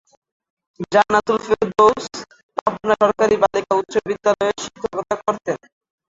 জান্নাতুল ফেরদৌস পাবনা সরকারি বালিকা উচ্চ বিদ্যালয়ে শিক্ষকতা করতেন।